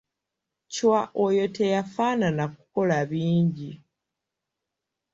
Chwa oyo teyafaanana kukola bingi.